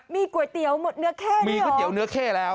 มีก๋วยเตี๋ยวหมดเนื้อเข้ด้วยหรอมีก๋วยเตี๋ยวเนื้อเข้แล้ว